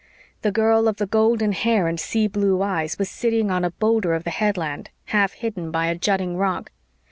The girl of the golden hair and sea blue eyes was sitting on a boulder of the headland, half hidden by a jutting rock.